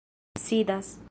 sidas